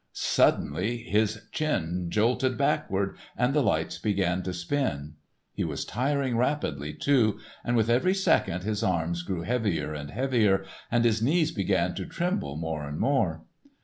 Suddenly his chin jolted backward, and the lights began to spin; he was tiring rapidly, too, and with every second his arms grew heavier and heavier and his knees began to tremble more and more.